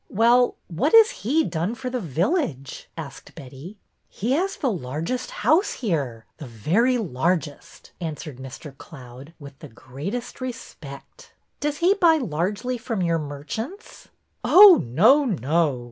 ''Well, what has he done for the village?" asked Betty. " He has the largest house here, the very largest," answered Mr. Cloud, with the greatest respect. " Does he buy largely from your merchants? "" No, oh, no